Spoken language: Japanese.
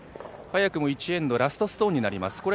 早くも１エンド、ラストストーンになります。